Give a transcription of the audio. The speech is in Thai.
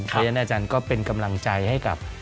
เพราะฉะนั้นอาจารย์ก็เป็นกำลังใจให้กับ